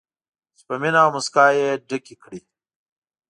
چې په مینه او موسکا یې ډکې کړي.